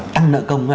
tăng nợ công